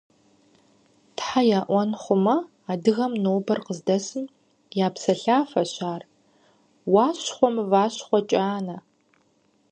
Тхьэ яӀуэн хъумэ, адыгэхэм нобэр къыздэсым я псалъафэщ ар – «Уащхъуэ мыващхъуэ кӀанэ!».